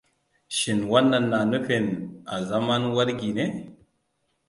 Shin wannan na nufin a zaman wargi ne?